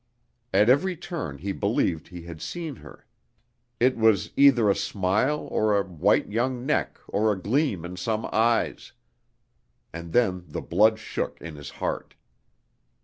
At every turn he believed he had seen her. It was either a smile or a white young neck or a gleam in some eyes. And then the blood shook in his heart.